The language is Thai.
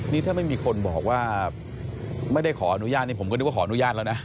นี่ถ้าไม่มีคนบอกว่าไม่ได้ขออนุญาตนี่ผมก็นึกว่าขออนุญาตแล้วนะ